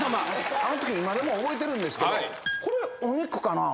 あのとき今でも覚えてるんですけどこれお肉かな？